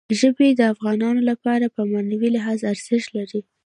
ژبې د افغانانو لپاره په معنوي لحاظ ارزښت لري.